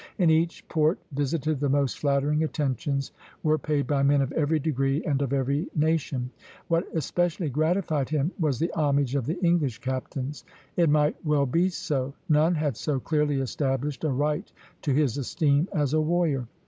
In each port visited the most flattering attentions were paid by men of every degree and of every nation. What especially gratified him was the homage of the English captains. It might well be so; none had so clearly established a right to his esteem as a warrior.